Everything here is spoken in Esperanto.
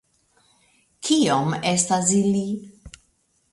Kiom estas ili?